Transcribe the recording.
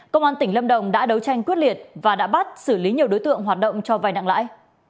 công an tỉnh lâm đồng đã đấu tranh quyết liệt và đã bắt xử lý nhiều đối tượng hoạt động cho vai nặng lãi